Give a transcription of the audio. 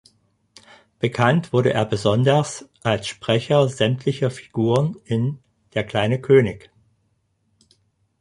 Bekannt wurde er besonders als Sprecher sämtlicher Figuren in "Der kleine König".